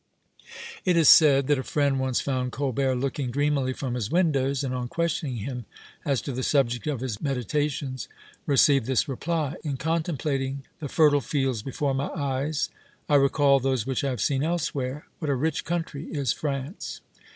It is said that a friend once found Colbert looking dreamily from his windows, and on questioning him as to the subject of his meditations, received this reply: "In contemplating the fertile fields before my eyes, I recall those which I have seen elsewhere; what a rich country is France!"